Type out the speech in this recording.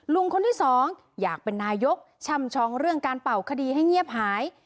ลุงคนที่สองอยากเป็นนายกช่ำชองเรื่องการเป่าคดีให้เงียบหาย